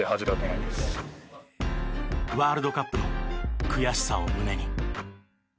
ワールドカップの悔しさを胸に。